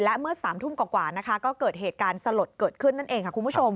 และเมื่อ๓ทุ่มกว่านะคะก็เกิดเหตุการณ์สลดเกิดขึ้นนั่นเองค่ะคุณผู้ชม